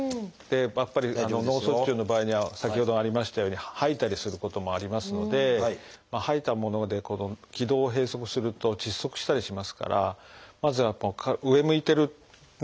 やっぱり脳卒中の場合には先ほどありましたように吐いたりすることもありますので吐いたもので気道を閉塞すると窒息したりしますからまず上向いてるのがあんまりよろしくないんですね。